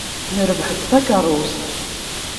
Nerbeḥ-d takeṛṛust.